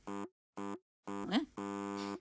えっ？